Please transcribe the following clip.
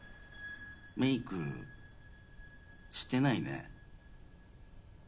メイクしてないね。